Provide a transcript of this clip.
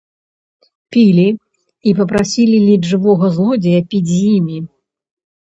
Пілі і папрасілі ледзь жывога злодзея піць з імі.